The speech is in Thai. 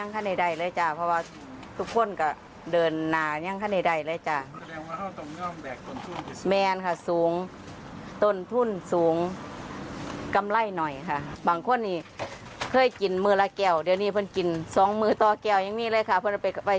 ถุงหนึ่งก็เก็บไปกิน๒วันแล้ว